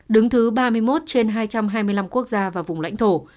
đứng thứ ba mươi một trên hai trăm hai mươi năm quốc gia và vùng lãnh thổ